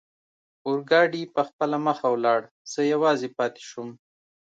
اورګاډي پخپله مخه ولاړ، زه یوازې پاتې شوم.